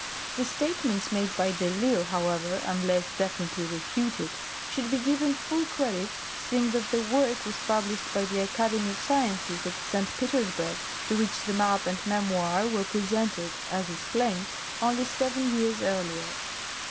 The statements made by de I'Isle, however, unless definitely refuted, should be given full credit, seeing that the work was published by the Academy of Sciences at St. Petersburg, to which the majj and memoir were presented, as is claimed, only seven years earlier.